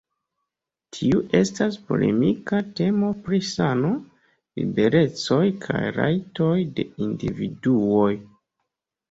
Tiu estas polemika temo pri sano, liberecoj kaj rajtoj de individuoj.